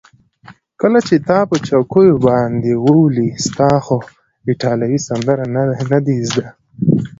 کله چې تا په چوکیو باندې وولي، ستا خو ایټالوي سندرې نه دي زده.